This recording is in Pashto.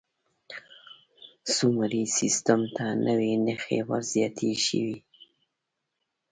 سومري سیستم ته نوې نښې ور زیاتې شوې.